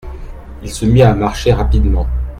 Il se mit à marcher rapidement.